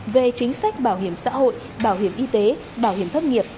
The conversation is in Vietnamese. về chính sách bảo hiểm xã hội bảo hiểm y tế bảo hiểm thất nghiệp